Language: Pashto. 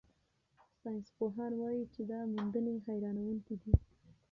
ساینسپوهان وايي چې دا موندنې حیرانوونکې دي.